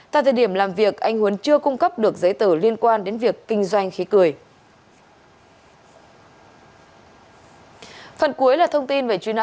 tại thời điểm làm việc anh huấn chưa cung cấp được giấy tờ liên quan đến việc kinh doanh khí cười